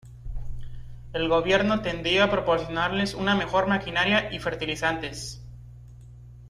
El gobierno tendió a proporcionarles una mejor maquinaria y fertilizantes.